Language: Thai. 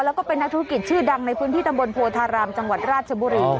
แล้วก็เป็นนักธุรกิจชื่อดังในพื้นที่ตำบลโพธารามจังหวัดราชบุรี